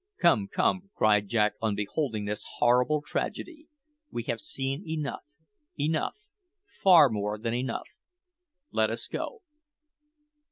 "Come, come," cried Jack on beholding this horrible tragedy; "we have seen enough, enough far more than enough! Let us go."